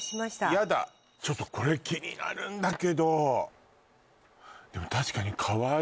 ヤダちょっとこれ気になるんだけどでも確かにカワイイ！